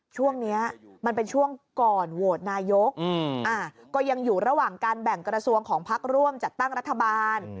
ช่วงนี้มันเป็นช่วงก่อนโหวตนายกก็ยังอยู่ระหว่างการแบ่งกระทรวงของพักร่วมจัดตั้งรัฐบาล